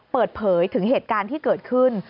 เปิดเผยถึงเหตุการณ์ที่เกิดขึ้น